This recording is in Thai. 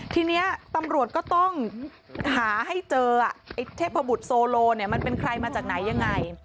ทีนี้ตำรวจก็ต้องหาให้เจอไอ้เทพบุตรโซโลเนี่ยมันเป็นใครมาจากไหนยังไง